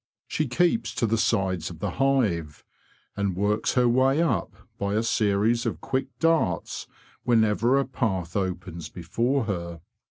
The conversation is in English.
She keeps to the sides of the hive, and works her way up by a series of quick darts when ever a path opens before her.